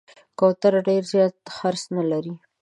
کوتره ډېر زیات خرڅ نه لري.